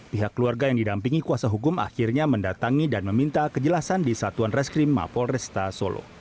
pihak keluarga yang didampingi kuasa hukum akhirnya mendatangi dan meminta kejelasan di satuan reskrim mapol resta solo